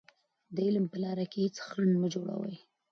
د علم په لاره کې هېڅ خنډ مه جوړوئ.